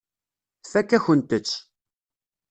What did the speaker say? Tfakk-akent-tt.